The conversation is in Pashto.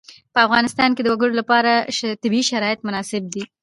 په افغانستان کې د وګړي لپاره طبیعي شرایط مناسب دي.